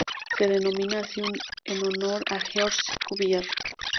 Se denomina así en honor a Georges Cuvier.